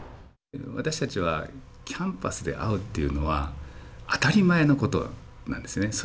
私たちはキャンパスで会うっていうのは当たり前のことなんですね。